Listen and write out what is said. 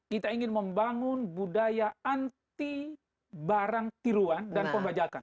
kita ingin membangun budaya anti barang tiruan dan pembajakan